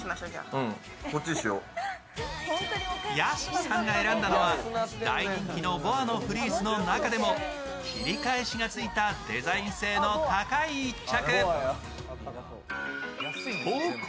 屋敷さんが選んだのは大人気のボアのフリースの中でも切り返しがついたデザイン性の高い１着。